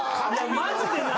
マジで謎。